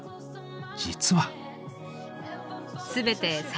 実は。